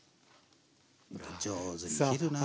上手に切るなあ。